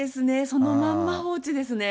そのまんま放置ですね。